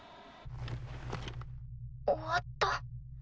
終わった？